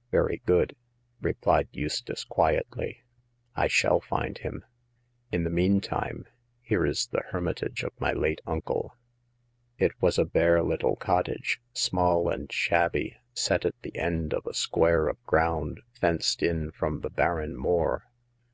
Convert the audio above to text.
'* Very good,'* replied Eustace, quietly. I shall find him. In the mean time, here is the hermitage of my late uncle." It was a bare little cottage, small and shabby, set at the end of a square of ground fenced in from the barren moor.